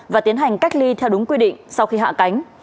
và tiến hành cách ly theo đúng quy định sau khi hạ cánh